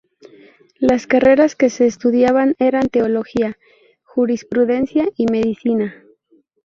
Las carreras que se estudiaban eran teología, jurisprudencia y medicina.